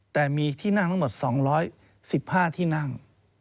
แต่มีที่นั่งทั้งหมด๒๑๕ที่นั่ง